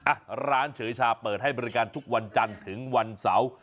อ่ะร้านเฉยชาเปิดให้บริการทุกวันจันทร์ถึงวันเสาร์